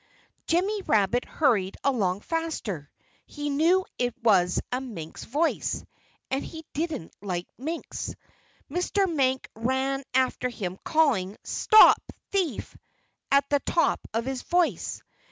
Jimmy Rabbit hurried along faster. He knew that it was a mink's voice. And he didn't like minks. Mr. Mink ran after him, calling "Stop, thief!" at the top of his voice.